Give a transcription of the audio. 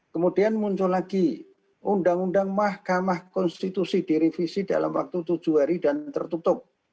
kemudian muncul lagi undang undang mahkamah konstitusi direvisi dalam waktu tujuh hari dan tertutup